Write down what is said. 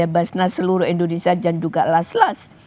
basnas seluruh indonesia dan juga laslas